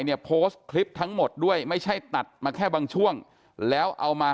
เนี่ยโพสต์คลิปทั้งหมดด้วยไม่ใช่ตัดมาแค่บางช่วงแล้วเอามา